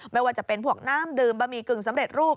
ไม่ว่าจะเป็นพวกน้ำดื่มบะหมี่กึ่งสำเร็จรูป